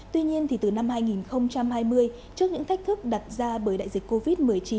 tuy nhiên từ năm hai nghìn hai mươi trước những thách thức đặt ra bởi đại dịch covid một mươi chín